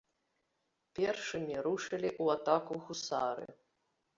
Першымі рушылі ў атаку гусары.